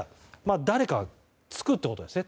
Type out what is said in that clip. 誰かがつくということですね。